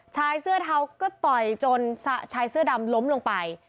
ชายเสื้อเทาก็ต่อยจนชายเสื้อดำล้มลงไป